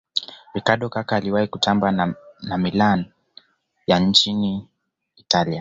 ricardo kaka aliwahi kutamba na milan ya nchini italia